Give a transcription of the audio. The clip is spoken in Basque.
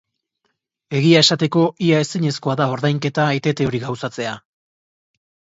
Egia esateko, ia ezinezkoa da ordainketa etete hori gauzatzea.